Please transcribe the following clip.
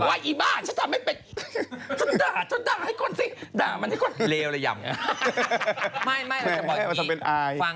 ไออีบ้าฉันทำไม่เป็น